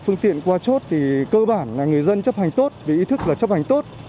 phương tiện qua chốt thì cơ bản là người dân chấp hành tốt vì ý thức và chấp hành tốt